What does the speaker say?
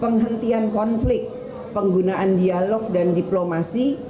penghentian konflik penggunaan dialog dan diplomasi